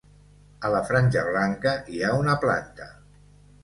A la franja blanca hi ha una planta.